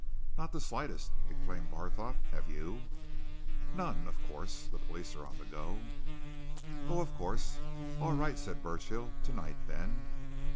"Not the slightest!" exclaimed Barthorpe. "Have you?" "None! Of course the police are on the go?" "Oh, of course!" "All right," said Burchill. "Tonight, then."